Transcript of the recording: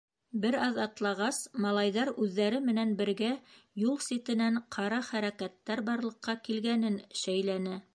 Бер аҙ атлағас, малайҙар үҙҙәре менән бергә юл ситенән ҡара хәрәкәттәр барлыҡҡа килгәнен шәйләне.